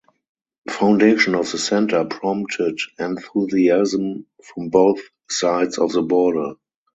Foundation of the center prompted enthusiasm from both sides of the border.